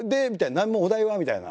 「何もお題は？」みたいな。